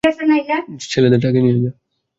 ছেলেদের ট্রাকে নিয়ে যা।